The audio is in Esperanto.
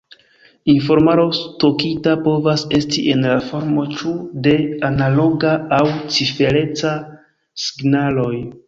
Informaro stokita povas esti en la formo ĉu de analoga aŭ cifereca signaloj.